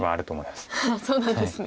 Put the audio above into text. あっそうなんですね。